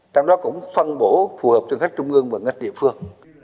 trong đó cũng phân bổ phù hợp cho ngân sách trung ương và ngân sách địa phương